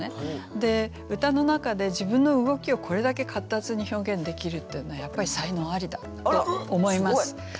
で歌の中で自分の動きをこれだけかったつに表現できるっていうのはやっぱり才能ありだって思います。